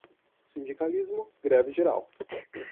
Sindicalismo, greve geral